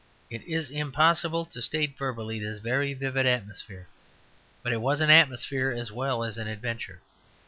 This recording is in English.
It is impossible to state verbally this very vivid atmosphere; but it was an atmosphere as well as an adventure.